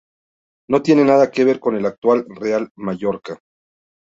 No tiene nada que ver con el actual Real Mallorca.